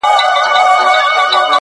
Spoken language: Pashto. هغوی چې مېله کې یې